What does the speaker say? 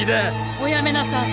おやめなさんせ。